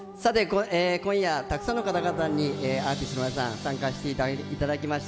今夜たくさんの方々アーティストの皆さんに参加していただきました。